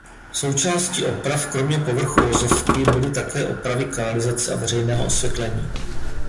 Součástí oprav kromě povrchu vozovky byly také opravy kanalizace a veřejného osvětlení.